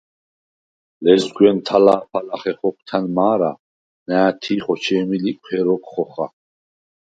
ლერსგვენ თა̄ლა̄ფა ლახე ხოქვთა̈ნ მა̄რა, ნა̄̈თი̄ ხოჩე̄მი ლიკვჰე როქვ ხოხა.